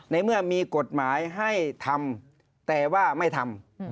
ในเมื่อมีกฎหมายให้ทำแต่ว่าไม่ทำ